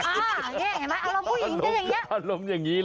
อ่ะเห็นไหมอารมณ์ผู้หญิงได้อย่างนี้